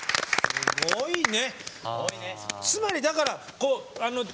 すごいね。